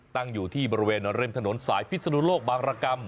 ตั้งอยู่ที่บริเวณริมถนนสายพิศนุโลกบางรกรรม